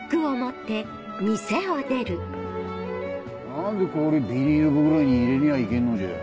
何で氷ビニール袋に入れにゃあいけんのじゃ。